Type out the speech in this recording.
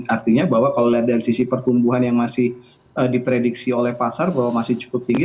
artinya bahwa kalau lihat dari sisi pertumbuhan yang masih diprediksi oleh pasar bahwa masih cukup tinggi